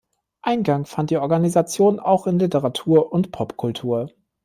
Eingang fand die Organisation auch in Literatur und Popkultur.